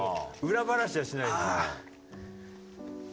裏話はしない。